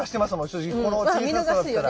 正直この小ささだったら。